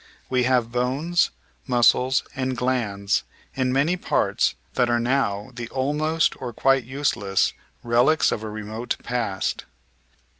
We have bones, muscles, and glands in many parts that are now the almost or quite useless relics of a remote past.